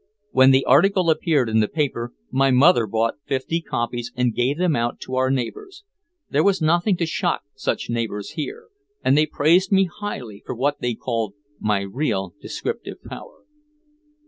When the article appeared in the paper my mother bought fifty copies and gave them out to our neighbors. There was nothing to shock such neighbors here, and they praised me highly for what they called my "real descriptive power."